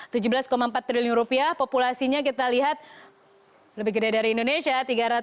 tujuh belas empat triliun rupiah populasinya kita lihat lebih gede dari indonesia